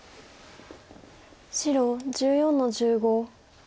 白１４の十五。